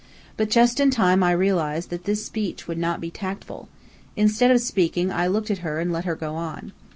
But just in time I realized that this speech would not be tactful. Instead of speaking, I looked at her and let her go on.